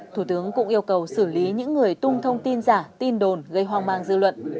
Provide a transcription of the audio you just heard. thủ tướng cũng yêu cầu xử lý những người tung thông tin giả tin đồn gây hoang mang dư luận